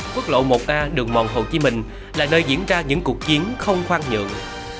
quốc lộ một a đường mòn hồ chí minh là nơi diễn ra những cuộc chiến không khoan nhượng